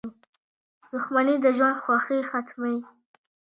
• دښمني د ژوند خوښي ختموي.